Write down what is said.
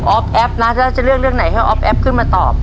แอปนะแล้วจะเลือกเรื่องไหนให้ออฟแอฟขึ้นมาตอบ